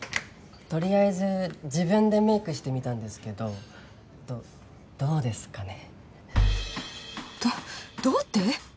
とりあえず自分でメイクしてみたんですけどどどうですかね。